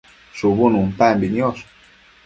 shubu nuntambi niosh